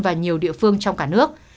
và nhiều địa phương trong cả nước